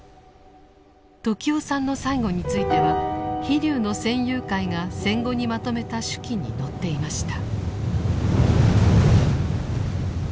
時雄さんの最期については「飛龍」の戦友会が戦後にまとめた手記に載っていました。